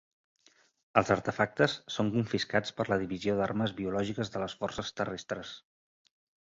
Els artefactes són confiscats per la divisió d'armes biològiques de les Forces Terrestres.